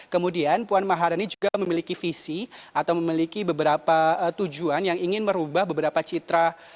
kemudian puan maharani juga memiliki visi atau memiliki beberapa tujuan yang ingin merubah beberapa citra